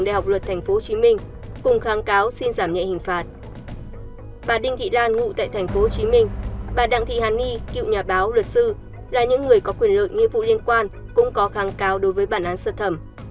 đình thị lan ngụ tại tp hcm bà đặng thị hà nhi cựu nhà báo luật sư là những người có quyền lợi nhiệm vụ liên quan cũng có kháng cáo đối với bản án sơ thẩm